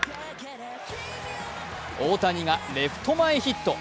大谷がレフト前ヒット。